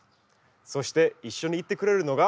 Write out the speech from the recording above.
そして一緒に行ってくれるのが。